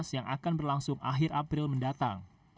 yang akan berlangsung akhir april mendatang